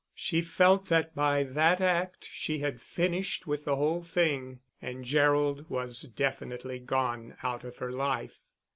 She felt that by that act she had finished with the whole thing, and Gerald was definitely gone out of her life.